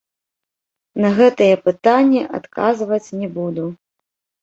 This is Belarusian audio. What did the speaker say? На гэтыя пытанні адказваць не буду.